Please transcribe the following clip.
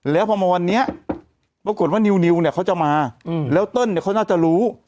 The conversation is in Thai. แล้วพอมาวันนี้ปรากฏว่านิวเนี่ยเขาจะมาแล้วเติ้ลเนี่ยเขาน่าจะรู้